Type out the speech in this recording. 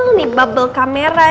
ini bubble kamera